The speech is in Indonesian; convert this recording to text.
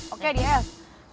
oke di f